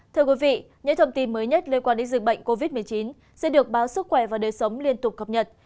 thưa quý vị những thông tin mới nhất liên quan đến dịch bệnh covid một mươi chín sẽ được báo sức khỏe và đời sống liên tục cập nhật